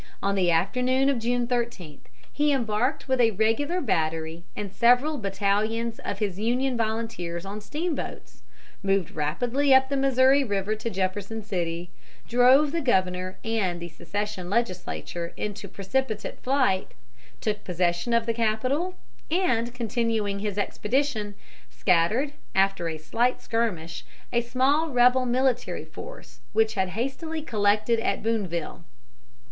On the afternoon of June 13, he embarked with a regular battery and several battalions of his Union volunteers on steamboats, moved rapidly up the Missouri River to Jefferson City, drove the governor and the secession legislature into precipitate flight, took possession of the capital, and, continuing his expedition, scattered, after a slight skirmish, a small rebel military force which had hastily collected at Boonville.